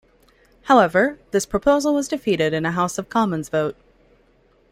However this proposal was defeated in a House of Commons vote.